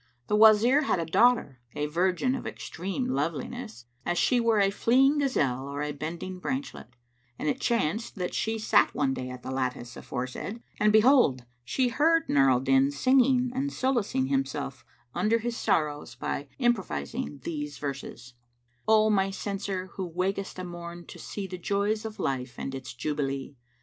The Wazir had a daughter, a virgin of extreme loveliness, as she were a fleeing gazelle or a bending branchlet, and it chanced that she sat one day at the lattice aforesaid and behold, she heard Nur al Din, singing and solacing himself under his sorrows by improvising these verses, "O my Censor who wakest a morn to see * The joys of life and its jubilee!